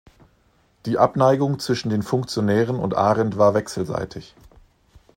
Die Abneigung zwischen den Funktionären und Arendt war wechselseitig.